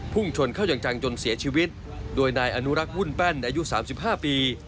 พุ่งชนเข้ายังจังจนเสียชีวิตด้วยนายอนุรักษ์วุ่นแป้นอายุสามสิบห้าปี